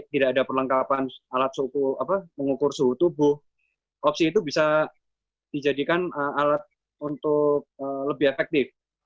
tidak ada perlengkapan alat mengukur suhu tubuh opsi itu bisa dijadikan alat untuk lebih efektif